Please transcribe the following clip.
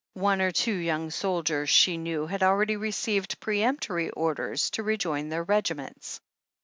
One or two young soldiers she knew had already received peremptory orders to rejoin their regi ments.